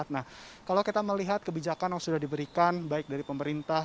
nah kalau kita melihat kebijakan yang sudah diberikan baik dari pemerintah